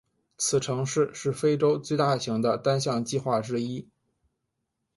此城市是非洲最大型的单项计划之一。